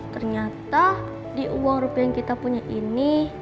ternyata di uang rupiah yang kita punya ini